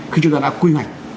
khi chúng ta đã quy hoạch